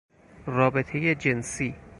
رابطهی جنسی